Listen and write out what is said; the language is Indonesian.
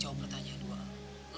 jawab pertanyaan gue al